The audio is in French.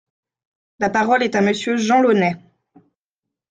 La parole est à Monsieur Jean Launay.